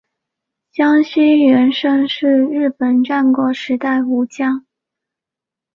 香西元盛是日本战国时代武将。